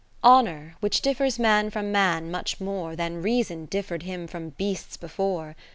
Honour, which differs man from man much more Than Reason difier'd him from beasts before.